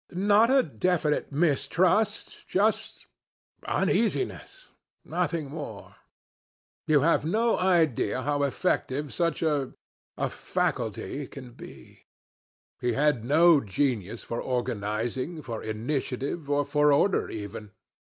Not a definite mistrust just uneasiness nothing more. You have no idea how effective such a ... a ... faculty can be. He had no genius for organizing, for initiative, or for order even.